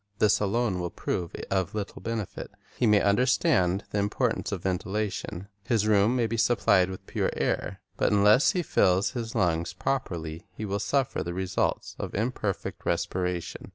This alone will prove of little benefit. He may understand the importance of ventilation; his room may be supplied with pure air; Knowledge \^ ut un \ ess ] ie fills his lungs properly, he will suffer Put to Use .. the results of imperfect respiration.